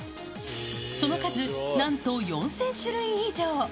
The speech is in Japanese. その数なんと４０００種類以上。